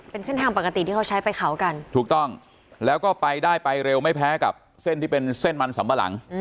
เป็นเส้นทางปกติที่เขาใช้ไปเขากันถูกต้องแล้วก็ไปได้ไปเร็วไม่แพ้กับเส้นที่เป็นเส้นมันสำปะหลัง